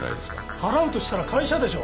払うとしたら会社でしょ。